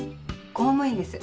公務員です。